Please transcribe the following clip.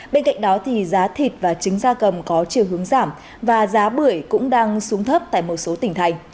bên cạnh đó thì giá thịt và trứng da cầm có chiều hướng giảm và giá bưởi cũng đang xuống thấp tại một số tỉnh thành